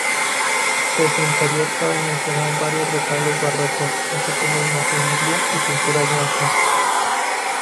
De su interior cabe mencionar varios retablos barrocos, así como imaginería y pinturas neoclásicas.